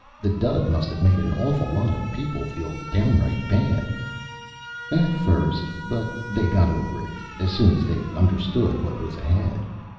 The dud must have made an awful lot of people feel downright bad." "At first. But they got over it as soon as they understood what was ahead.